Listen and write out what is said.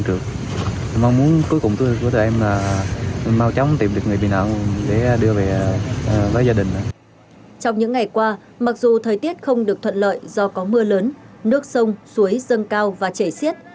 trong những ngày qua mặc dù thời tiết không được thuận lợi do có mưa lớn nước sông suối dâng cao và chảy xiết